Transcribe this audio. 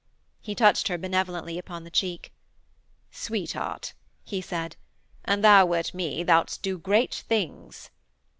He touched her benevolently upon the cheek. 'Sweetheart,' he said, 'an thou wert me thou'dst do great things.'